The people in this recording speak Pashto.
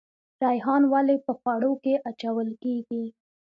ریحان ولې په خوړو کې اچول کیږي؟